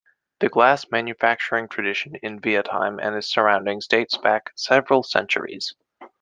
The glass manufacturing tradition in Wertheim and its surroundings dates back several centuries.